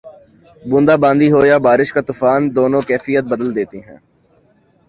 بوندا باندی ہو یا بارش کا طوفان، دونوں کیفیت بدل دیتے ہیں۔